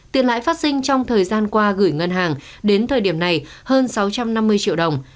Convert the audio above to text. tiền lãi phát sinh trong thời gian qua gửi ngân hàng đến thời điểm này hơn sáu trăm năm mươi triệu đồng